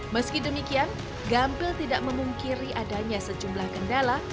meski demikian gampil tidak memungkiri adanya sejumlah kendala